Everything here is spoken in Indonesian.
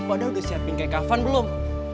lupa dong siapin kek kafan belum